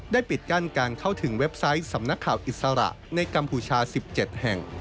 ปิดกั้นการเข้าถึงเว็บไซต์สำนักข่าวอิสระในกัมพูชา๑๗แห่ง